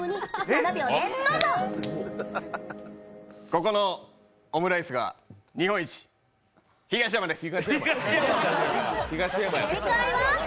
ここのオムライスが日本一、東山です！